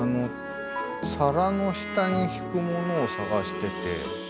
皿の下に敷くものを探してて。